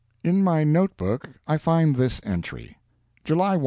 In my note book I find this entry: July 1.